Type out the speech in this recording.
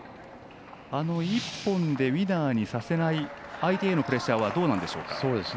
１本でウィナーにさせない相手へのプレッシャーはどうなんでしょうか。